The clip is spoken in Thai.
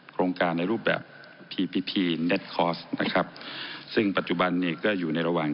โครงการในรูปแบบนะครับซึ่งปัจจุบันนี่ก็อยู่ในระหว่าง